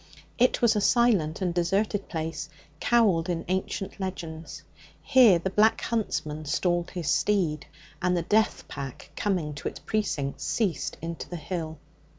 It was a silent and deserted place, cowled in ancient legends. Here the Black Huntsman stalled his steed, and the death pack coming to its precincts, ceased into the hill.